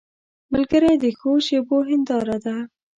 ملګری د ښو شېبو هنداره ده